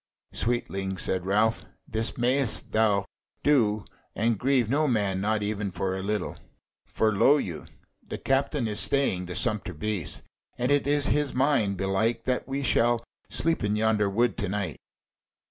"Sweetling," said Ralph, "this mayst thou do and grieve no man, not even for a little. For lo you! the captain is staying the sumpter beasts, and it is his mind, belike, that we shall sleep in yonder wood to night."